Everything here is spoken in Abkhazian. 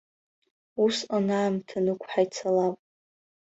Усҟан аамҭа нықәҳа ицалап.